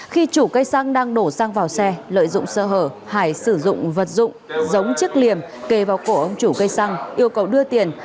khi chủ cây xăng đang đổ xăng vào xe lợi dụng sơ hở hải sử dụng vật dụng giống chiếc liềm kề vào cổ ông chủ cây xăng yêu cầu đưa tiền